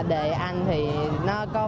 đề anh thì nó có phần